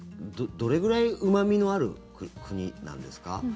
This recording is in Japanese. どれぐらいうま味のある国なんですか。